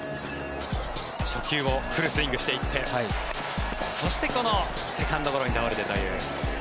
初球をフルスイングしていってそしてこのセカンドゴロに倒れてという。